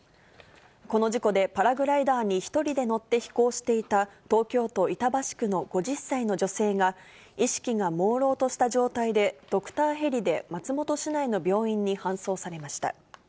この事故で、パラグライダーに１人で乗って飛行していた東京都板橋区の５０歳の女性が、意識がもうろうとした状態で、ドクターヘリで松本市内の病院に搬送されました。